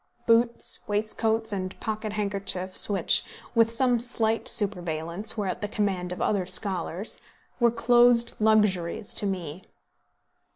Boots, waistcoats, and pocket handkerchiefs, which, with some slight superveillance, were at the command of other scholars, were closed luxuries to me.